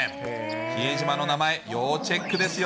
比江島の名前、要チェックですよ。